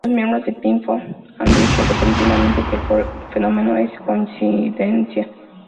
Los miembros de Pink Floyd han dicho repetidamente que el fenómeno es coincidencia.